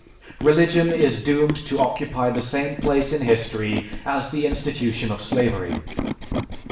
Religion is doomed to occupy the same place in history as the institution of slavery.